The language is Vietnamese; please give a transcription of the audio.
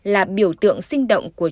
là biểu tượng sinh động của